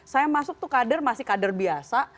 saya masuk tuh kader masih kader biasa